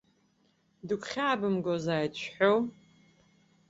Дыгәхьаабымгаӡои шәҳәоу?